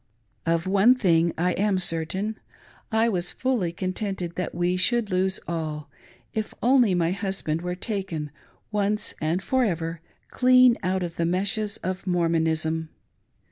Of one thing I am certain, — I was fully contented that we should lose all, if only my husband were taken, once and for ever, clean out of the meshes of Mormonism.